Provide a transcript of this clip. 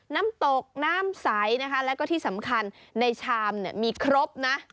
น้ำตกน้ำใสนะคะแล้วก็ที่สำคัญในชามเนี่ยมีครบนะ